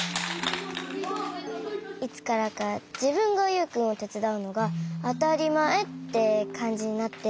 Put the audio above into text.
いつからかじぶんがユウくんをてつだうのがあたりまえってかんじになって。